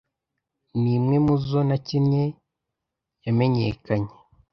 ni imwe mu zo nakinnye yamenyekanye,